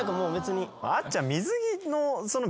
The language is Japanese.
あっちゃん。